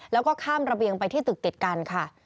แล้วก็ข้ามระเบียงไปที่ตึกติดกันค่ะ